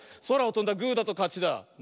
そらをとんだグーだとかちだ。